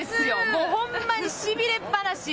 もうほんまに、しびれっぱなし。